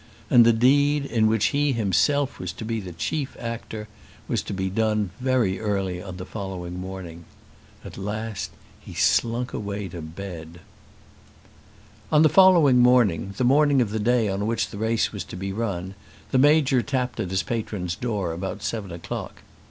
And the deed in which he himself was to be the chief actor was to be done very early in the following morning. At last he slunk away to bed. On the following morning, the morning of the day on which the race was to be run, the Major tapped at his patron's door about seven o'clock.